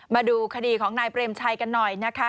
มาดูคดีของนายเปรมชัยกันหน่อยนะคะ